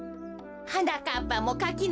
はなかっぱもかきのきも